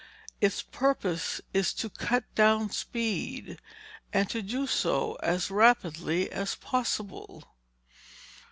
Its purpose is to cut down speed and to do so as rapidly as possible.